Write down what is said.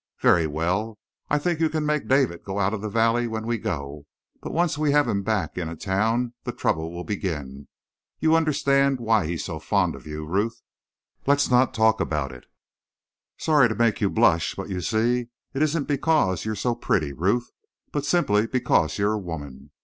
"Very well. I think you can make David go out of the valley when we go. But once we have him back in a town the trouble will begin. You understand why he's so fond of you, Ruth?" "Let's not talk about it." "Sorry to make you blush. But you see, it isn't because you're so pretty, Ruth, but simply because you're a woman.